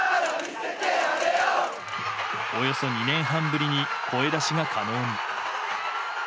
およそ２年半ぶりに声出しが可能に。